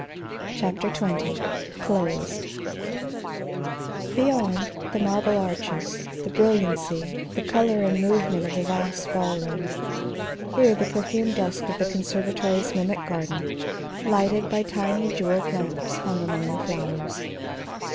CHAPTER XX CLOSED Beyond, the marble arches, the brilliancy, the color and movement of the vast ball room; here, the perfumed dusk of the conservatory's mimic garden, lighted by tiny jeweled lamps hung among the flowers.